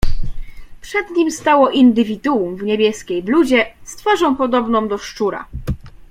"Przed nim stało indywiduum w niebieskiej bluzie, z twarzą podobną do szczura."